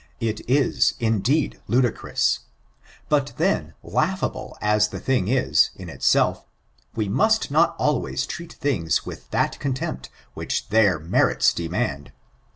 It is, indeed, ludicrous; but then, laughable as the thing is, in itself, we must not always treat things with that contempt which their merits demand.